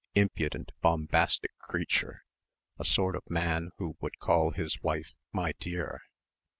Impudent bombastic creature ... a sort of man who would call his wife "my dear."